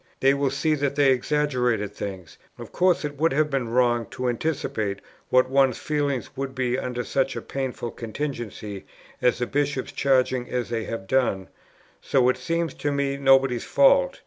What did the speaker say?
They will see that they exaggerated things.... Of course it would have been wrong to anticipate what one's feelings would be under such a painful contingency as the Bishops' charging as they have done, so it seems to me nobody's fault.